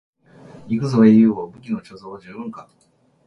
行くぞ英雄王、武器の貯蔵は十分か？